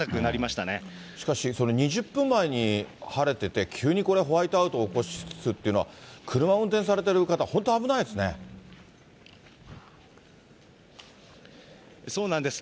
しかしそれ、２０分前に晴れてて、急にこれ、ホワイトアウトを起こすっていうのは、車運転されてる方、本当、危ないですね。